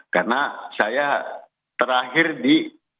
karena saya terakhir di